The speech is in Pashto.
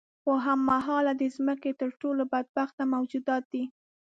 خو هم مهاله د ځمکې تر ټولو بدبخته موجودات دي.